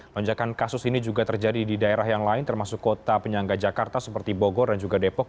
lonjakan kasus ini juga terjadi di daerah yang lain termasuk kota penyangga jakarta seperti bogor dan juga depok